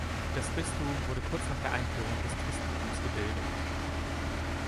Das Bistum wurde kurz nach der Einführung des Christentums gebildet.